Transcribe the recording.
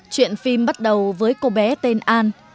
chuyện phim bắt đầu với cô bé tên an